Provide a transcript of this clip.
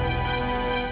tante kita harus berhenti